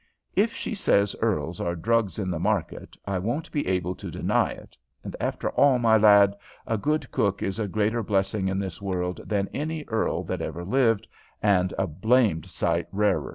If she says earls are drugs in the market, I won't be able to deny it; and, after all, my lad, a good cook is a greater blessing in this world than any earl that ever lived, and a blamed sight rarer."